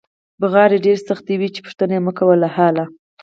بغارې ډېرې سختې وې چې پوښتنه مکوه له حاله.